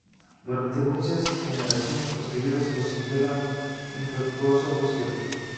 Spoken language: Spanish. Durante muchas generaciones posteriores prosiguió la infructuosa búsqueda.